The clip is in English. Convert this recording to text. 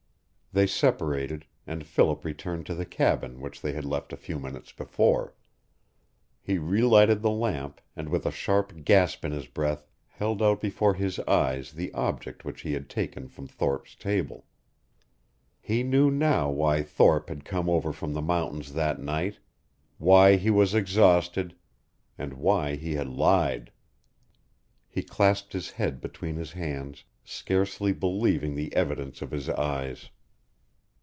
They separated, and Philip returned to the cabin which they had left a few minutes before. He relighted the lamp, and with a sharp gasp in his breath held out before his eyes the object which he had taken from Thorpe's table. He knew now why Thorpe had come from over the mountains that night, why he was exhausted, and why he had lied. He clasped his head between his hands, scarcely believing the evidence of his eyes.